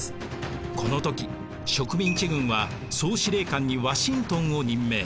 この時植民地軍は総司令官にワシントンを任命。